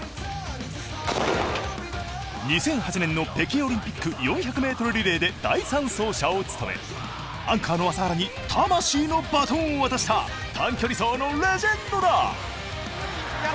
２００８年の北京オリンピック４００ｍリレーで第３走者を務めアンカーの朝原に魂のバトンを渡した短距離走のレジェンドだ。